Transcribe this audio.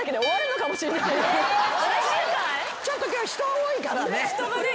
ちょっと今日人多いからね。